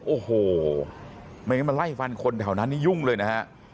โอ้โหไม่งั้นมาไล่ฟันคนแถวนั้นนี่ยุ่งเลยนะฮะ